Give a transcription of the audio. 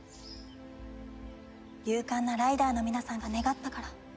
勇敢なライダーの皆さんが願ったから。